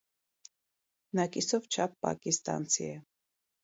Նա կիսով չափ պակիստանցի է։